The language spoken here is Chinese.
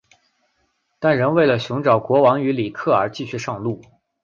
但仍为了寻找国王与里克而继续上路。